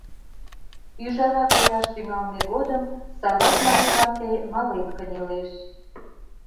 Ӱжара кояш тӱҥалме годым Савак марий вате мален кынелеш.